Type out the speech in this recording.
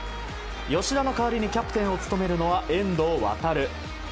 吉田の代わりにキャプテンを務めるのは遠藤航。